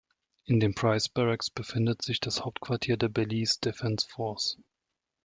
In den Price Barracks befindet sich das Hauptquartier der Belize Defence Force.